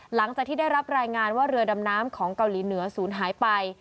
หลังจากที่ได้รับรายงานว่าเรือดำน้ำของเกาหลีเหนือศูนย์หายไป